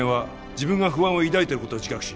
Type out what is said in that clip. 自分が不安を抱いてることを自覚し